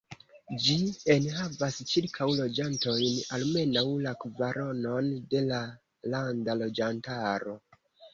Ĝi enhavas ĉirkaŭ loĝantojn, almenaŭ la kvaronon de la landa loĝantaro.